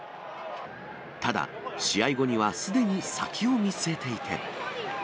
ただ試合後にはすでに先を見据えていて。